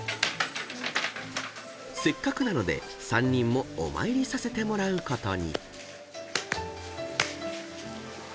［せっかくなので３人もお参りさせてもらうことに］